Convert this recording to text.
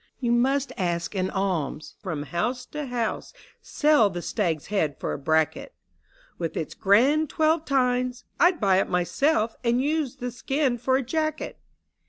" You must ask an alms from house to house : Sell the stag's head for a bracket, With its grand twelve tines — I'd buy it myself — And use the skin for a jacket